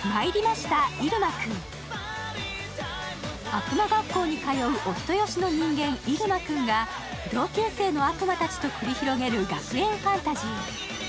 悪魔学校に通うお人よしの人間、入間君が同級生の悪魔たちと繰り広げる学園ファンタジー。